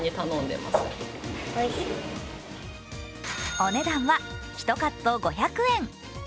お値段は１カット５００円。